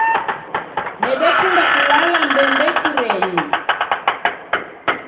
Ndekunde kulala mbembechurenyi.